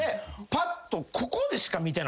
パッとここでしか見てなかったから。